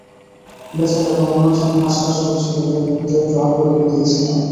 বেচারা দম নেয়ার জন্য হাঁসফাঁস করছিল, তাই মুখটা একটু আলগা করে দিয়েছিলাম।